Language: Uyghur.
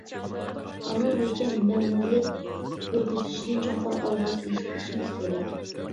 قانۇن بويىچە مەمۇرىيەت يۈرگۈزۈشنى چوڭقۇر ئالغا سىلجىتىشىمىز كېرەك.